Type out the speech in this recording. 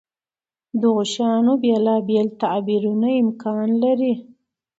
دغو شیانو بېلابېل تعبیرونه امکان لري.